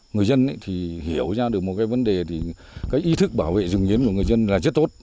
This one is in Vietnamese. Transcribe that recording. người dân thì hiểu ra được một cái vấn đề thì cái ý thức bảo vệ rừng nghiến của người dân là rất tốt